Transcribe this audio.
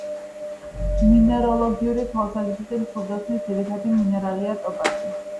მინეროლოგიური თვალსაზრისით, მშვილდოსნის ძირითადი მინერალია: ტოპაზი.